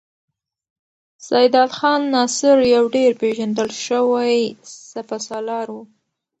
سیدال خان ناصر یو ډېر پیژندل شوی سپه سالار و.